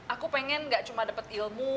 aku pengen gak cuma dapat ilmu